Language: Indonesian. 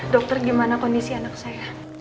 dokter gimana kondisi anak saya